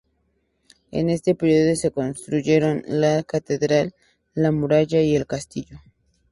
En este periodo se construyeron la catedral, la muralla y el castillo.